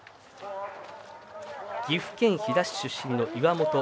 岐阜県飛騨市出身の岩本。